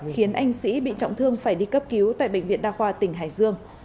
khiến anh sĩ bị trọng thương phải đi cấp cứu tại bệnh viện đa khoa tỉnh hải dương